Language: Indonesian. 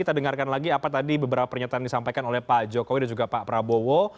kita dengarkan lagi apa tadi beberapa pernyataan disampaikan oleh pak jokowi dan juga pak prabowo